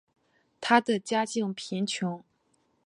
她的家境贫穷。